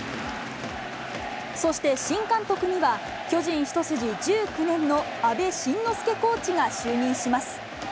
そして、新監督には巨人一筋１９年の阿部慎之助コーチが就任します。